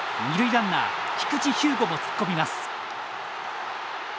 ランナー菊地彪吾も突っ込みます。